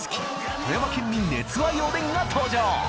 富山県民熱愛おでんが登場！